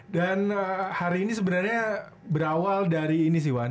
dan hari ini sebenarnya berawal dari ini sih wan